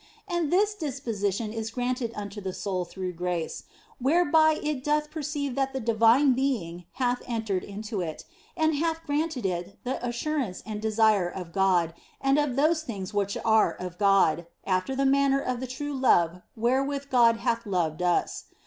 And this disposition is granted unto the soul through grace whereby it doth perceive that the Divine Being hath entered into it, and hath granted it the assurance and the desire of God and of those things which are of God, after the manner of the true love wherewith God hath loved us.